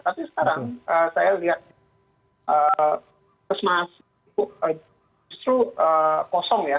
tapi sekarang saya lihat justru kosong ya